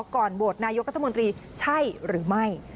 ก่อนโหวตนายกรัฐมนตรีใช่หรือไม่